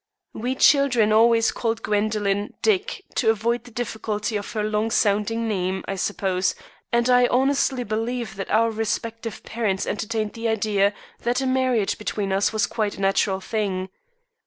We children always called Gwendoline "Dick," to avoid the difficulty of her long sounding name, I suppose, and I honestly believe that our respective parents entertained the idea that a marriage between us was quite a natural thing.